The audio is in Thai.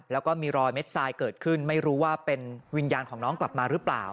แล้วก็มีรอยเม็ดทรายเกิดขึ้นไม่รู้ว่าเป็นวิญญาณของน้องกลับมาหรือเปล่า